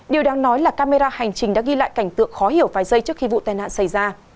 điều đáng nói là camera hành trình đã ghi lại cảnh tượng khó hiểu vài giây trước khi vụ tai nạn xảy ra